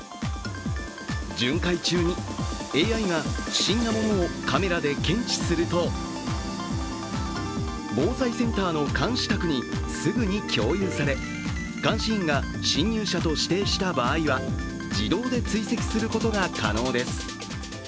巡回中にＡＩが不審なものをカメラで検知すると防災センターの監視卓にすぐに共有され監視員が侵入者と指定した場合は、自動で追跡することが可能です。